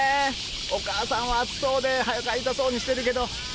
お母さんは暑そうで、はよ帰りたそうにしてるけど。